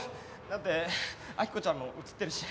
だって秋子ちゃんも映ってるし。